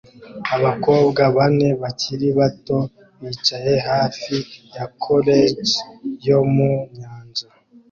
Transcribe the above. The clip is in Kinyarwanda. Abakobwa bane bakiri bato bicaye hafi ya koleji yo mu nyanja